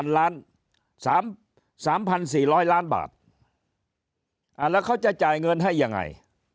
๓๔๐๐ล้านบาทแล้วเขาจะจ่ายเงินให้ยังไง